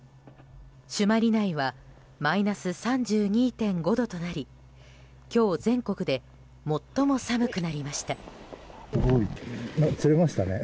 朱鞠内はマイナス３２．５度となり今日、全国で最も寒くなりました。